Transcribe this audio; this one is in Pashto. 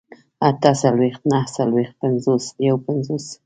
اتهڅلوېښت، نههڅلوېښت، پينځوس، يوپينځوس